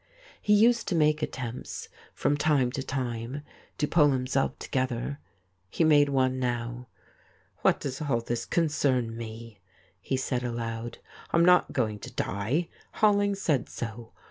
He used to make attempts, from time to time, to pull himself to gether ; he made one now. ' What does all this concern me ?' he said aloud. ' I'm not going to die. Holling said so.